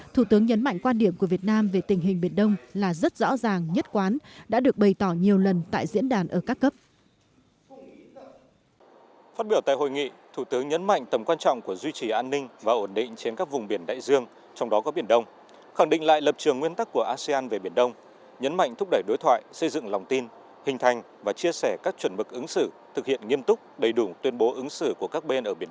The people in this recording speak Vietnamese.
thủ tướng nhấn mạnh quan điểm của việt nam về tình hình biển đông là rất rõ ràng nhất quán đã được bày tỏ nhiều lần tại diễn đàn ở các cấp